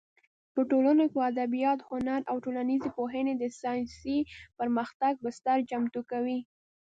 په ټولنو کې ادبیات، هنر او ټولنیزې پوهنې د ساینسي پرمختګ بستر چمتو کوي.